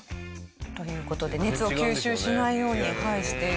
という事で熱を吸収しないようにしているそうですね。